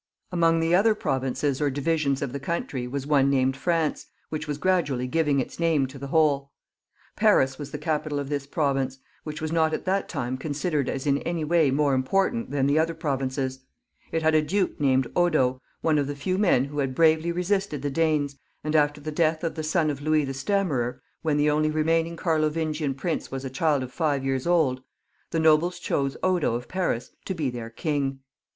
Among the other provinces or divisions of the country was one named France, which was gradually giving its name to the whole. Paris was the capital of this province, which was not at that time considered as in any way more important than the other provinces. It had a duke named Odo, one of the few men who had bravely resisted the Danes, and after the death of the son of Louis the Stammerer, when the only remaining Carlovingian prince was a child of five years old, the nobles chose Odo of Paris to be their king. X.] THE LAST CARLOVINGIAN KINGS.